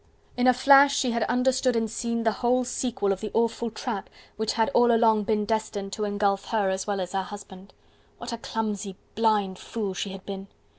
In a flash she had understood and seen the whole sequel of the awful trap which had all along been destined to engulf her as well as her husband. What a clumsy, blind fool she had been!